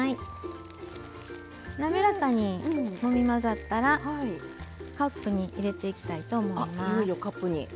なめらかにもみ混ざったらカップに入れていきたいと思います。